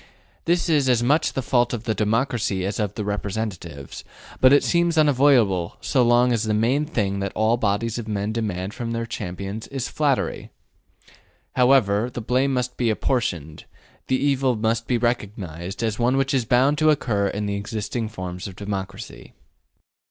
This is as much the fault of the democracy as of the representatives, but it seems unavoidable so long as the main thing that all bodies of men demand of their champions is flattery. However the blame may be apportioned, the evil must be recognized as one which is bound to occur in the existing forms of democracy.